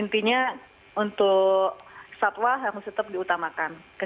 intinya untuk satwa harus tetap diutamakan